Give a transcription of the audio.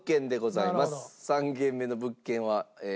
３軒目の物件はええ